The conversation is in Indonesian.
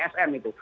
namanya psn itu